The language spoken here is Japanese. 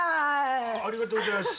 ありがとうございます。